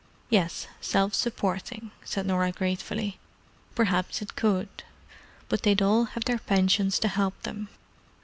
"Yes, self supporting," said Norah gratefully. "Perhaps it could. But they'd all have their pensions to help them."